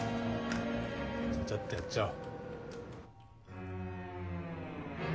ちゃちゃっとやっちゃおう。